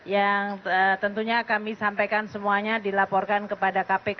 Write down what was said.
yang tentunya kami sampaikan semuanya dilaporkan kepada kpk